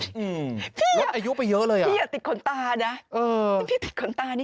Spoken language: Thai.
ลดอายุไปเยอะเลยอะพี่อย่าติดขนตานะ